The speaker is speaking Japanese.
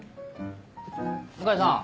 向井さん